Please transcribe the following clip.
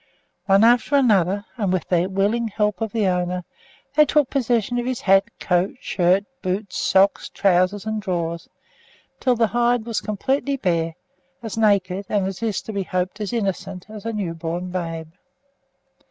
One after another, and with the willing help of the owner, they took possession of his hat, coat, shirt, boots, socks, trousers, and drawers, until the Hyde was completely bare, as naked, and, it is to be hoped, as innocent, as a new born babe.